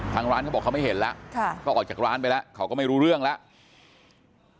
ทางร้านเขาบอกเขาไม่เห็นแล้วก็ออกจากร้านไปแล้วเขาก็ไม่รู้เรื่องแล้ว